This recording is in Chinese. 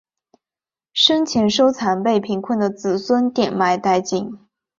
生前收藏被贫困的子孙典卖殆尽。